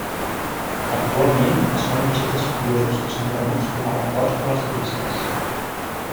Actualment es fan objectes curiosos que són venuts com a records per als turistes.